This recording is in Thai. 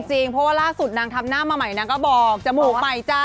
เพราะว่าล่าสุดนางทำหน้ามาใหม่นางก็บอกจมูกใหม่จ้า